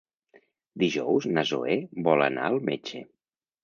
Dijous na Zoè vol anar al metge.